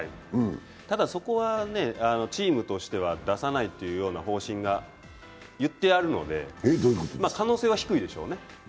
ただ、そこはチームとしては出さないという方針が、言ってあるので、可能性は低いでしょうね。